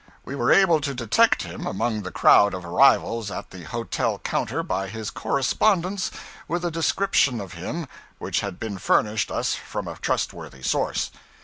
We were able to detect him among the crowd of arrivals at the hotel counter by his correspondence with a description of him which had been furnished us from a trustworthy source.